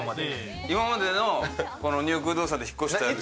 今までニューヨーク不動産で引っ越した人。